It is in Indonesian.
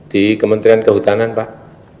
di kementerian kehutanan pak